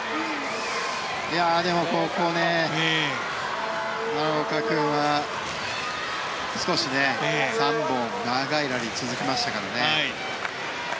ここ、奈良岡君は少し３本、長いラリーが続きましたからね。